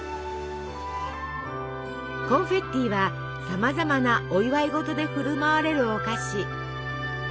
コンフェッティはさまざまなお祝い事で振る舞われるお菓子。